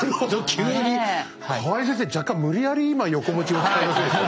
急に河合先生若干無理やり今横文字を使いませんでした？